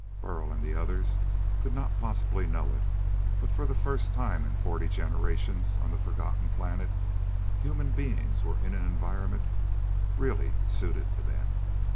Burl and the others could not possibly know it, but for the first time in forty generations on the forgotten planet, human beings were in an environment really suited to them.